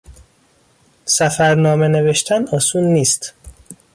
سفرنامه نوشتن آسون نیست